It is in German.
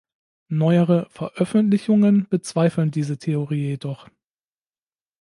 Neuere Veröffentlichungen bezweifeln diese Theorie jedoch.